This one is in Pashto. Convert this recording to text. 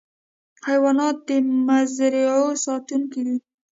حیوانات د مزرعو ساتونکي دي.